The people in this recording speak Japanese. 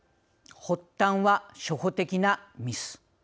発端は初歩的なミス。